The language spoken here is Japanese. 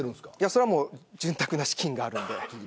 それは潤沢な資金があるので。